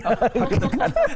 oh gitu kan